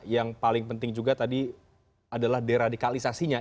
yang paling penting juga tadi adalah deradikalisasinya